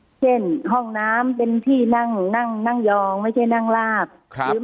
อาจสามารถแจ้งมาที่พรมจได้เลยนะค่ะทางกรมกิจการภูติสูงอายุเนี่ย